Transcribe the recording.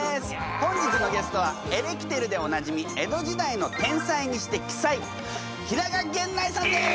本日のゲストはエレキテルでおなじみ江戸時代の天才にして奇才平賀源内さんです！